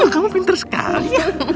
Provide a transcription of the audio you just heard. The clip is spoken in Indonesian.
kamu pinter sekali